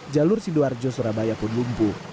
jalur sidoarjo surabaya pun lumpuh